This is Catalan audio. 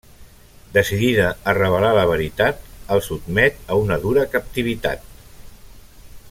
Decidida a revelar la veritat, el sotmet a una dura captivitat.